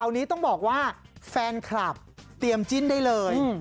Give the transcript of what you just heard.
อันนี้ต้องบอกว่าแฟนคลับเตรียมจิ้นได้เลย